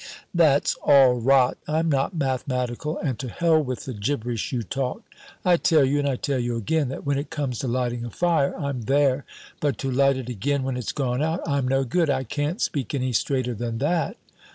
"That's all rot. I'm not mathematical, and to hell with the gibberish you talk. I tell you and I tell you again that when it comes to lighting a fire, I'm there, but to light it again when it's gone out, I'm no good. I can't speak any straighter than that."